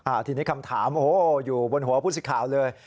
ทีนี้คำถามโอ้โหอยู่บนหัวผู้สิทธิ์ข่าวเลย